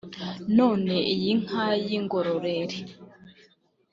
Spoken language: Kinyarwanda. none iyi nka yingororere”